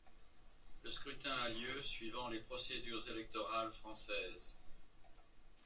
Le scrutin a lieu suivant les procédures électorales françaises.